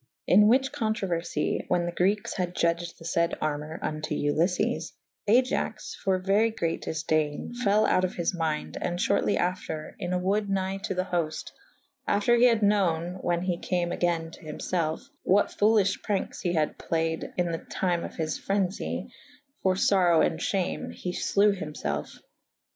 In whiche co«trouerfye wha« the Grekes hadde judged the fayde armour vnto Uliffes / Aiax for very great difdayne fel out of his mynde / and fhortly after in a wode nygh to the hofte / after he had knowen (whan he cam agayne to him lelfe) what folyffhe prankes he had played in the tyme of his phrenefy / for forow and fhame he flewe hym felfe.